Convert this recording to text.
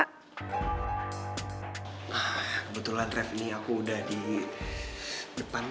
kebetulan re aku udah di depan nih